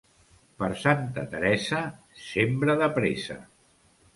Per Santa Teresa sembra de pressa.